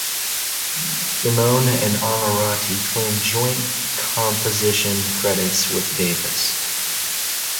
Simeone and Onorati claimed joint composition credits with Davis.